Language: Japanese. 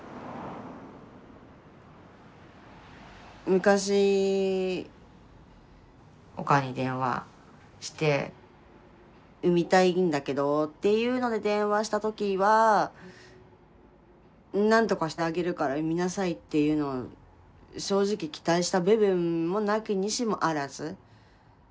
昔おかんに電話して産みたいんだけどっていうので電話した時は「何とかしてあげるから産みなさい」っていうのを正直期待した部分もなきにしもあらず。